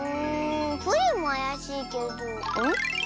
プリンもあやしいけどん？